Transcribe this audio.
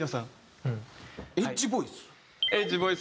エッジボイス。